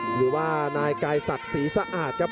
หรือว่านายกายศักดิ์ศรีสะอาดครับ